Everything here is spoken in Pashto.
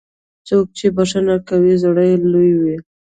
څوک چې بښنه کوي، زړه یې لوی وي.